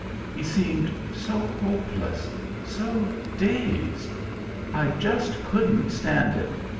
He seemed so hopeless, so dazed. I just couldn't stand it.